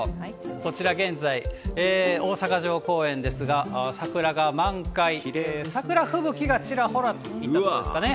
こちら、現在、大阪城公園ですが、桜が満開、桜吹雪がちらほらというわー、豪華。